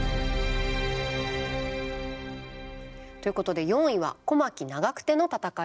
ということで４位は小牧・長久手の戦いでした。